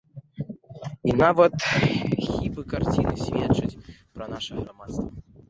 І нават хібы карціны сведчаць пра наша грамадства.